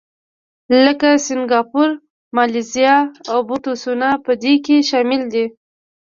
لکه سینګاپور، مالیزیا او بوتسوانا په دې کې شامل دي.